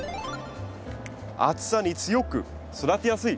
暑さに強く育てやすい。